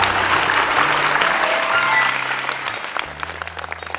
สวัสดีครับสวัสดีครับ